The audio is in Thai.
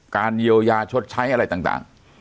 เยียวยาชดใช้อะไรต่าง